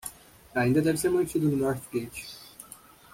Ainda deve ser mantido no North Gate